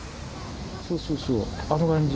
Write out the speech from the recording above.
そうそうそうあの感じ。